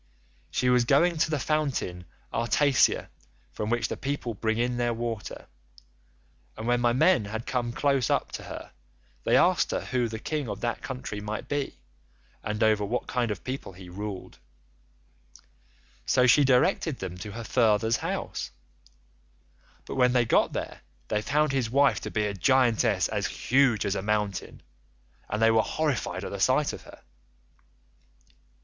She was going to the fountain Artacia from which the people bring in their water, and when my men had come close up to her, they asked her who the king of that country might be, and over what kind of people he ruled; so she directed them to her father's house, but when they got there they found his wife to be a giantess as huge as a mountain, and they were horrified at the sight of her.